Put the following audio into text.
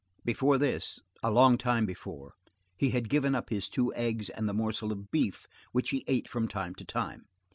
Before this, a long time before, he had given up his two eggs and the morsel of beef which he ate from time to time.